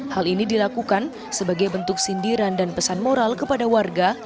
hal ini dilakukan sebagai bentuk sindiran dan pesan moral kepada warga